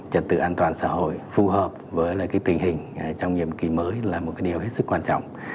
trật tự an toàn xã hội phù hợp với tình hình trong nhiệm kỳ mới là một điều hết sức quan trọng